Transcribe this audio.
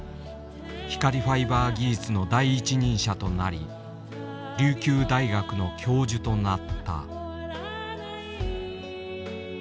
光ファイバー技術の第一人者となり琉球大学の教授となった。